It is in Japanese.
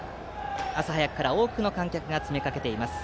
朝早くから多くの観客が詰め掛けています。